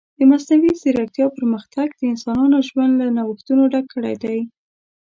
د مصنوعي ځیرکتیا پرمختګ د انسانانو ژوند له نوښتونو ډک کړی دی.